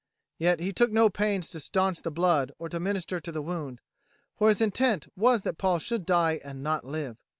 Yet he took no pains to stanch the blood or to minister to the wound, for his intent was that Paul should die and not live.